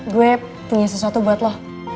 gue punya sesuatu buat lo